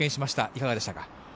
いかがでしたか？